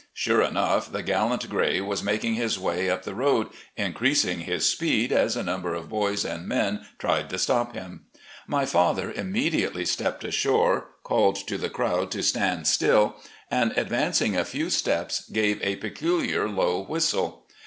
Sure enough, the gallant gray was making his way up the road, increasing his speed as a number of boys and men tried to stop him. My father immediately stepped ashore, called to the crowd to stand still, and advancing a few steps gave a peculiar low whistle.